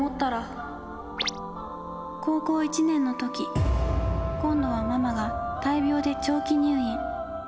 高校１年のとき今度はママが大病で長期入院。